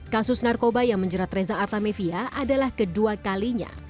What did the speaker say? kasus narkoba yang menjerat reza artamevia adalah kedua kalinya